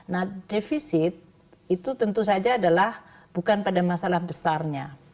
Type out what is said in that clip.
nah defisit itu tentu saja adalah bukan pada masalah besarnya